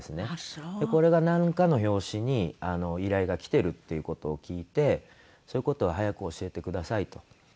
これがなんかの拍子に依頼が来てるっていう事を聞いてそういう事は早く教えてくださいと。